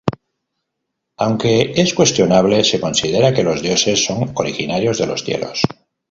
Aunque es cuestionable, se considera que los Dioses son originarios de los Cielos.